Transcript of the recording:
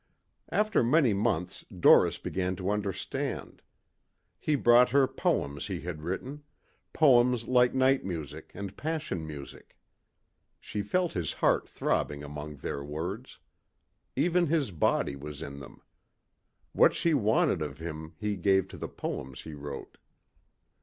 After many months Doris began to understand. He brought her poems he had written; poems like night music and passion music. She felt his heart throbbing among their words. Even his body was in them. What she wanted of him he gave to the poems he wrote.